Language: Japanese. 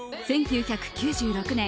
１９９６年